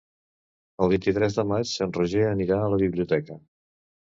El vint-i-tres de maig en Roger anirà a la biblioteca.